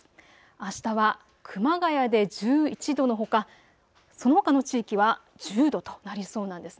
あしたは熊谷で１１度のほか、そのほかの地域は１０度となりそうなんです。